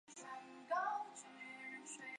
应用社会学研究社会各种领域。